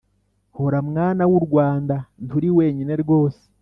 hora mwana w’u rwanda nturi wenyine rwose